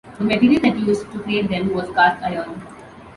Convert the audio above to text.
The material that was used to create them was cast-iron.